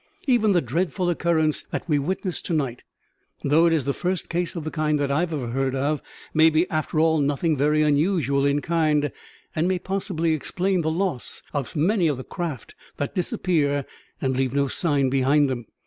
Even the dreadful occurrence that we witnessed to night, though it is the first case of the kind that I ever heard of, may be after all nothing very unusual in kind, and may possibly explain the loss of many of the craft that disappear and leave no sign behind them.